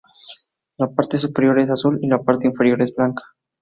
La parte superior es azul, y la parte inferior es blanca.